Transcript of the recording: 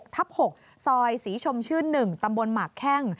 ทับ๖ซอยศรีชมชื่น๑ตำบลหมากแข้ง